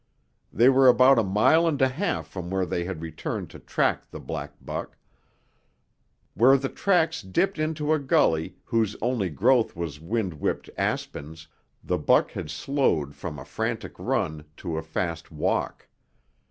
They were about a mile and a half from where they had returned to track the black buck. Where the tracks dipped into a gully whose only growth was wind whipped aspens, the buck had slowed from a frantic run to a fast walk.